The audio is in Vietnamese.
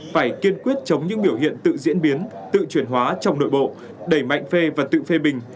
phải kiên quyết chống những biểu hiện tự diễn biến tự chuyển hóa trong nội bộ đẩy mạnh phê và tự phê bình